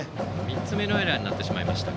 ３つ目のエラーになってしまいました。